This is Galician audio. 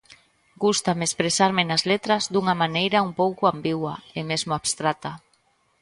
Gústame expresarme nas letras dunha maneira un pouco ambigua e mesmo abstracta.